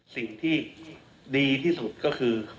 สิ่งที่ดีที่สุดก็คือ